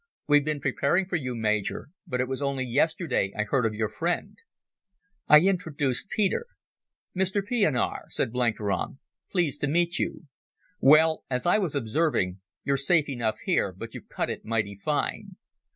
"We've been preparing for you, Major, but it was only yesterday I heard of your friend." I introduced Peter. "Mr Pienaar," said Blenkiron, "pleased to meet you. Well, as I was observing, you're safe enough here, but you've cut it mighty fine.